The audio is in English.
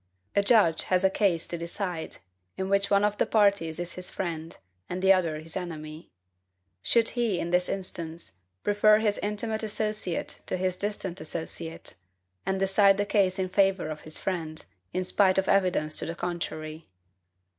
A judge has a case to decide, in which one of the parties is his friend, and the other his enemy. Should he, in this instance, prefer his INTIMATE ASSOCIATE to his DISTANT ASSOCIATE; and decide the case in favor of his friend, in spite of evidence to the contrary?